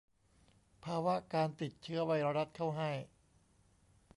ภาวะการติดเชื้อไวรัสเข้าให้